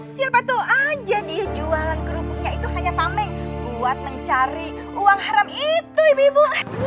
siapa tuh aja dia jualan kerupuknya itu hanya tameng buat mencari uang haram itu ibu ibu